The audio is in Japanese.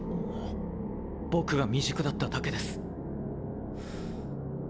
僕が未熟だっただけです。